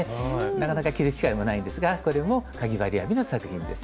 なかなか着る機会もないんですがこれもかぎ針編みの作品です。